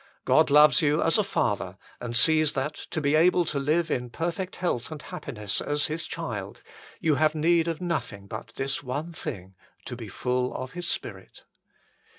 God loves you as a father and sees that, to be able to live in perfect health and happi ness as His child, you have need of nothing but this one thing to be full of His Spirit.